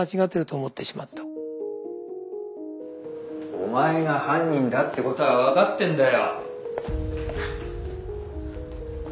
お前が犯人だってことは分かってんだよ。